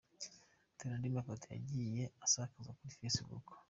Dore andi mafoto yagiye asakazwa kur facebook :.